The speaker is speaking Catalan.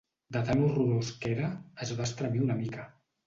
De tan horrorós que era, es va estremir una mica.